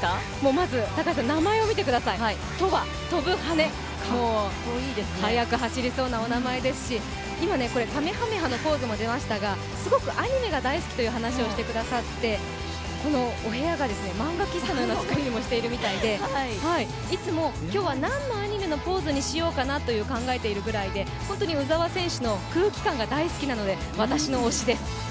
まず名前を見てください、鳥羽、鳥の羽、速く走りそうなお名前ですし今、かめはめ波のポーズも出ましたが、すごくアニメが大好きという話をしてくださって、このお部屋がですね、漫画喫茶のような作りをしていましていつも今日は何のアニメのポーズにしようかと考えているぐらいで本当に鵜澤選手の空気感が大好きなので、大好きなので、私の推しです。